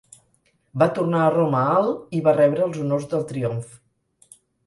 Va tornar a Roma el i va rebre els honors del triomf.